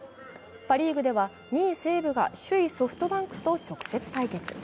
パ・リーグでは２位・西武が首位・ソフトバンクと直接対決。